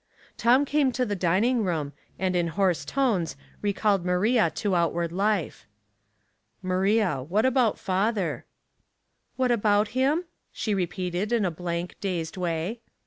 Tom came to the dininCj^ room, and in hoarse tones recalled Maria to outward life. " Maria, what about father ?"" What about him ?" she repeated, in a blank, dazed way.